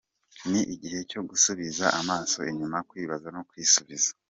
Ni igihe cyo gusubiza amaso inyuma, kwibaza no kwisubiza.